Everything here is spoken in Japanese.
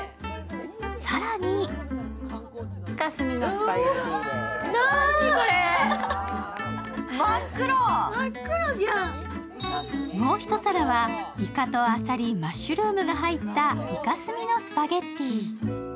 更にもう一皿はイカとアサリ、マッシュルームが入ったイカ墨のスパゲッティ。